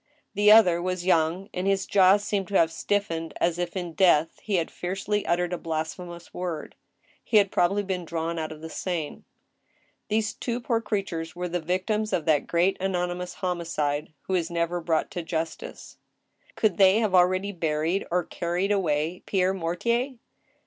The other was young, and his jaws seemed to have stiffened as if, in death, he had fiercely uttered a blasphemous word. He had probably been drawn out of the Seine. These two poor creatures were the victims of that great anony mous homicide who is never brought to justice. Could they have already buried or carried away Pierre Mortier?